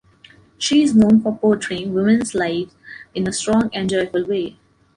She is known for portraying women's lives in a strong and joyful way.